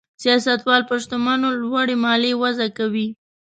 سیاستوال پر شتمنو لوړې مالیې وضع کوي.